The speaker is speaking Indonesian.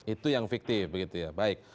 itu yang fiktif begitu ya baik